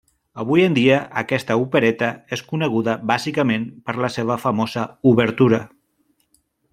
Avui en dia aquesta opereta és coneguda bàsicament per la seva famosa obertura.